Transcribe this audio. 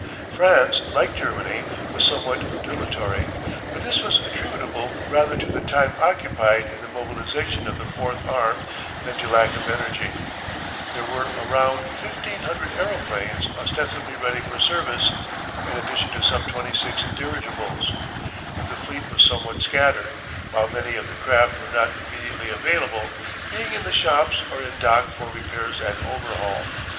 France, like Germany, was somewhat dilatory, but this was attributable rather to the time occupied in the mobilisation of the Fourth Arm than to lack of energy. There were a round 1,500 aeroplanes ostensibly ready for service, in addition to some 26 dirigibles. But the fleet was somewhat scattered, while many of the craft were not immediately available, being in the shops or in dock for repairs and overhaul.